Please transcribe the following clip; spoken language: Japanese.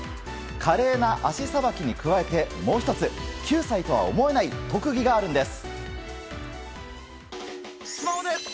華麗な足さばきに加えてもう１つ、９歳とは思えない特技があるんです。